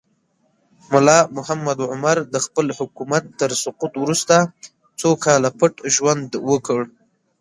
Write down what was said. ملا محمد عمر د خپل حکومت تر سقوط وروسته څو کاله پټ ژوند وکړ.